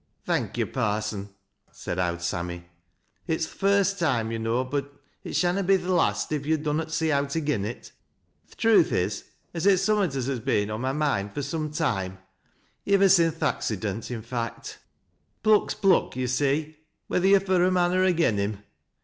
" Thank yo', Parson," said " Owd Sammy." " It's th' first toime, yo' know, but it shanna be th' last, if yo' dun not see owt agen it. Th' truth is, as it's sumraat as has veen on my moind fur some toime, — ivver sin' th' acci dent, i' fact. Pluck's pluck, yo' see, whether yo're fur a mon or agen him.